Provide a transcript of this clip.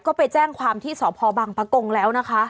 ก็ไปแจ้งความที่สพบังปะกงแล้วนะคะ